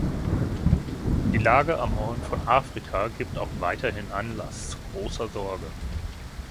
Die Lage am Horn von Afrika gibt auch weiterhin Anlass zu großer Sorge.